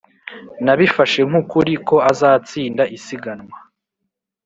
] nabifashe nk'ukuri ko azatsinda isiganwa.